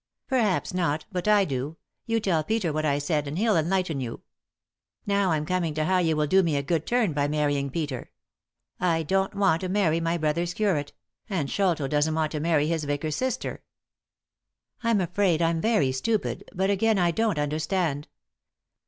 "Perhaps not, but I do — you tell Peter what I said, and he'll enlighten you. Now I'm coming to how you will do me a good turn by marrying Peter. I don't want to marry my brother's curate ; and Sholto doesn't want to many his vicar's sister." "I'm afraid I'm very stupid, but again I don't understand.